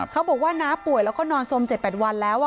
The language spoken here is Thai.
เขาบอกว่าน้าป่วยแล้วก็นอนสม๗๘วันแล้ว